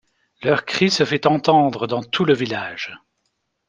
Leur cri se fait entendre dans tout le village.